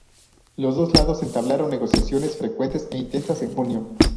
Los dos lados entablaron negociaciones frecuentes e intensas en junio.